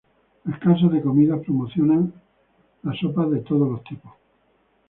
Las casas de comidas promovían las sopas de todos los tipos.